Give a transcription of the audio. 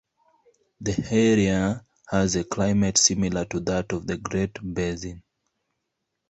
The area has a climate similar to that of the Great Basin.